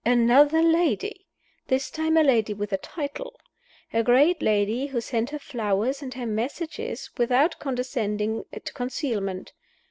Another lady! This time a lady with a title. A great lady who sent her flowers and her messages without condescending to concealment.